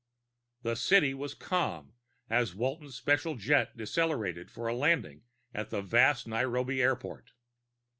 The city was calm as Walton's special jet decelerated for landing at the vast Nairobi airport.